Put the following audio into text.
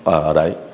ở ở đấy